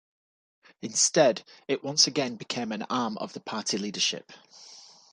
Instead, it once again became an arm of the party leadership.